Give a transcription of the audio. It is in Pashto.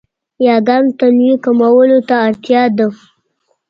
یاګانو تنوع کمولو ته اړتیا ده.